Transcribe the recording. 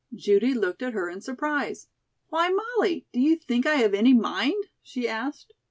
Judy looked at her in surprise. "Why, Molly, do you think I have any mind?" she asked.